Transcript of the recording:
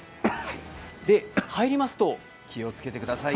入りますと気をつけてくださいよ